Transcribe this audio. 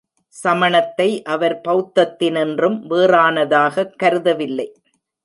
சமணத்தை அவர் பெளத்தத்தினின்றும் வேறானதாகக் கருதவில்லை.